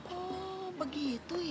oh begitu ya